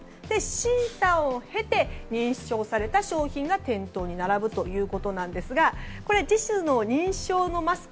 審査を経て、認証された商品が店頭に並ぶということなんですがこれＪＩＳの認証のマスク